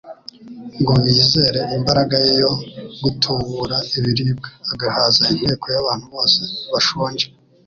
ngo bizere imbaraga ye yo gutubura ibiribwa, agahaza inteko y'abantu bose bashonje.